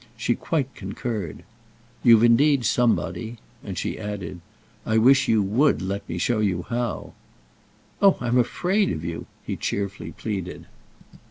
She quite concurred. "You've indeed somebody." And she added: "I wish you would let me show you how!" "Oh I'm afraid of you!" he cheerfully pleaded.